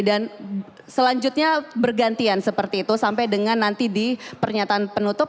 dan selanjutnya bergantian seperti itu sampai dengan nanti di pernyataan penutup